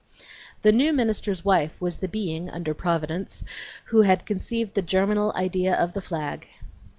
The new minister's wife was the being, under Providence, who had conceived the germinal idea of the flag.